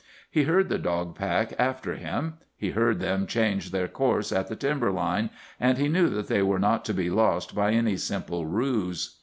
He heard the dog pack after him; he heard them change their course at the timber line, and he knew that they were not to be lost by any simple ruse.